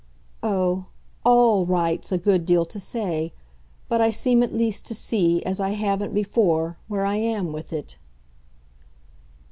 "Oh, ALL right's a good deal to say. But I seem at least to see, as I haven't before, where I am with it."